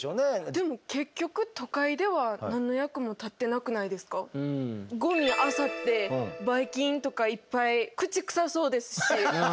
でも結局ゴミあさってバイ菌とかいっぱい口臭そうですし。